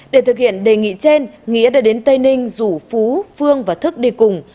để thực hiện đề nghị trên nghĩa đã đến tây ninh rủ phú phương và thức đi cùng